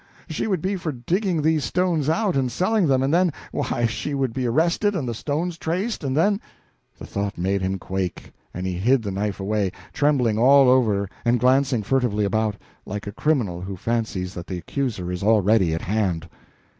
She would be for digging these stones out and selling them, and then why, she would be arrested and the stones traced, and then " The thought made him quake, and he hid the knife away, trembling all over and glancing furtively about, like a criminal who fancies that the accuser is already at hand.